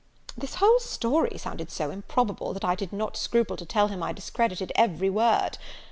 This whole story sounded so improbable, that I did not scruple to tell him I discredited every word.